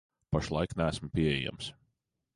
Pašlaik neesmu pieejams.